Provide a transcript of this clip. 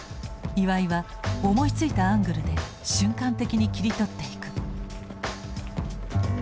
岩井は思いついたアングルで瞬間的に切り取っていく。